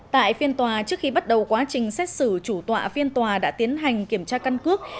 tại phiên tòa trước khi bắt đầu quá trình xét xử chủ tọa phiên tòa đã tiến hành kiểm tra căn cước